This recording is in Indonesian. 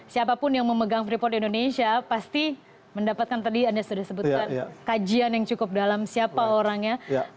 siapapun yang memegang freeport indonesia pasti mendapatkan tadi anda sudah sebutkan kajian yang cukup dalam siapa orangnya